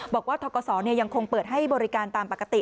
บอกว่าทกศยังคงเปิดให้บริการตามปกติ